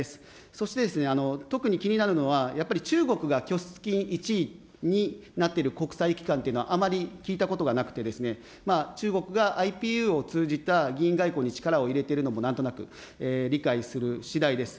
そして特に気になるのは、やっぱり中国が拠出金１位になっている国際機関というのはあまり聞いたことがなくてですね、中国がＩＰＵを通じた議員外交に力を入れているのもなんとなく理解するしだいです。